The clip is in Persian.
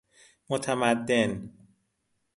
متمدن